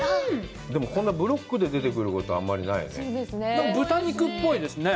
でもこんなブロックで出てくることはあんまりないよね。